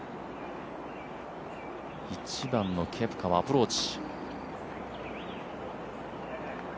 １番のケプカはアプローチ。